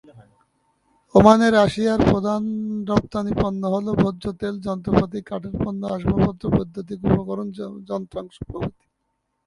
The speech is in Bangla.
ওমানে, মালয়েশিয়ার প্রধান রপ্তানি পণ্য হল; ভোজ্য তেল, যন্ত্রপাতি, কাঠের পণ্য এবং আসবাবপত্র, বৈদ্যুতিক উপকরণ, যন্ত্রাংশ প্রভৃতি।